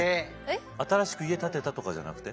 新しく家建てたとかじゃなくて？